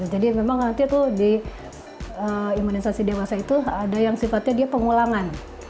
jadi memang nanti di imunisasi dewasa itu ada yang sifatnya pengulangan